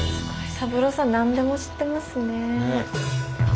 三郎さん何でも知ってますね。